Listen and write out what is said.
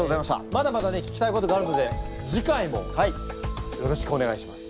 まだまだね聞きたいことがあるので次回もよろしくお願いします。